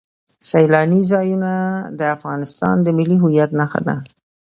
سیلاني ځایونه د افغانستان د ملي هویت نښه ده.